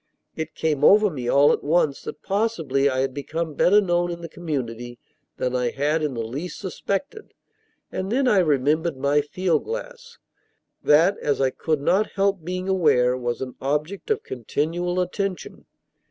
It came over me all at once that possibly I had become better known in the community than I had in the least suspected; and then I remembered my field glass. That, as I could not help being aware, was an object of continual attention.